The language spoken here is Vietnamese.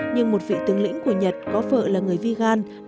nhưng một vị tướng lĩnh của nhật có vợ là người vigan